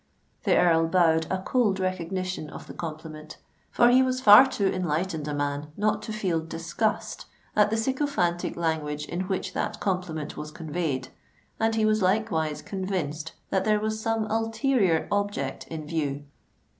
The Earl bowed a cold recognition of the compliment,—for he was far too enlightened a man not to feel disgust at the sycophantic language in which that compliment was conveyed—and he was likewise convinced that there was some ulterior object in view.